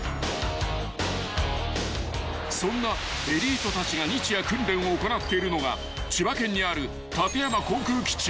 ［そんなエリートたちが日夜訓練を行っているのが千葉県にある館山航空基地］